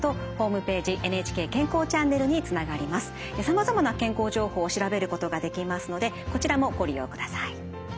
さまざまな健康情報を調べることができますのでこちらもご利用ください。